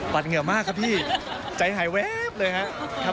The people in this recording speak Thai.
เหงื่อมากครับพี่ใจหายแวบเลยครับ